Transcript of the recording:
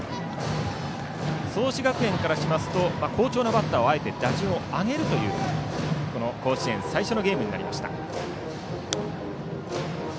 創志学園からしますと好調なバッターをあえて打順を上げるという甲子園最初のゲームになりました。